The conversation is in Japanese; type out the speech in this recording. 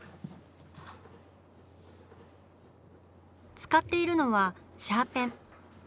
使っているのはシャーペン。